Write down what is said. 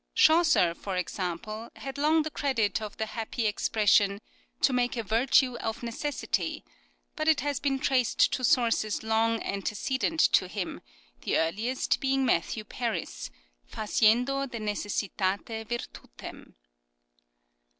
Chaucer, for example, had long the credit of the happy expression " To make a virtue of necessity," but it has been traced to sources long antecedent to him, the earliest being Matthew Paris, " Faciendo de necessitate virtutem."